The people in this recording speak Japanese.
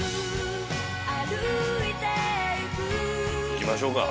行きましょうか。